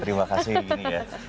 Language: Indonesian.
terima kasih ini ya